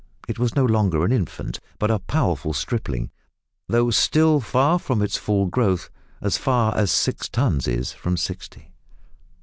It was no longer an infant, but a powerful stripling though still far from its full growth; as far as six tons is from sixty!